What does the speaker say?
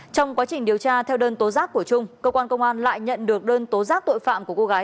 trong quá trình điều tra theo đơn tố giác của trung cơ quan công an lại nhận được đơn tố giác tội phạm của cô gái